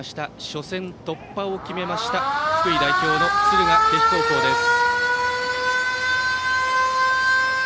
初戦突破を決めました福井代表の敦賀気比高校です。